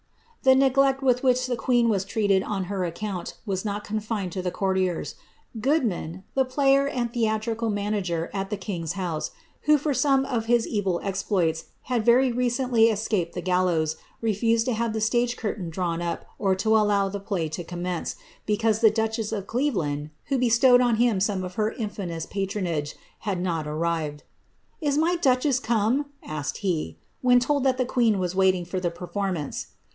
The neglect with which the qneen wis trf*ated on her account was not confined to the courtiers. Goodnm, the player and theatrical manager at the king^s house, who^ for some of Ills evil exploits, had very recently escaped the gallows, refused to have the stage curtain drawn up or to allow the play to commence, be cause the duchess of Cleveland, who bestowed on him some of her infamous patronage, had not arrived. ^ Is my duchess come ?" asked he, when told that the queen was waiting for the performance.